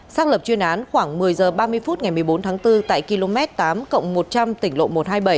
xác lập chuyên án khoảng một mươi h ba mươi phút ngày một mươi bốn tháng bốn tại km tám một trăm linh tỉnh lộ một trăm hai mươi bảy